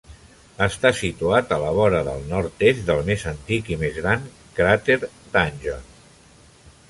Està situat a la vora del nord-est del més antic i més gran cràter Danjon.